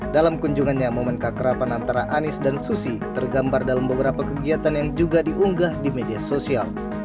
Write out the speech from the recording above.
dalam kunjungannya momen kakekrapan antara anies dan susi tergambar dalam beberapa kegiatan yang juga diunggah di media sosial